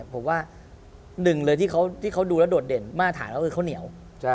ผมว่าหนึ่งเลยที่เขาดูแล้วโดดเด่นมาตรฐานก็คือข้าวเหนียว